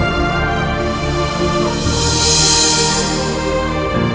dan berterima kasih